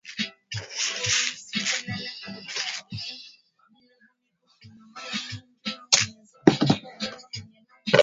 Wanajeshi hao ni “Jean Pierre Habyarimana mwenye namba za usajili mbili saba saba saba tisa.